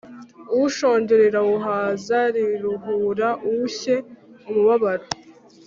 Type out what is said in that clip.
ushonje rirawuhaza riruhura ushye umubabaro